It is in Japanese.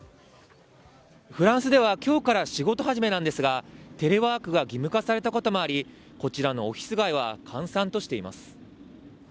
フランスでは今日から仕事始めなんですが、テレワークが義務化されたこともあり、こちらのオフィス街は閑散としています。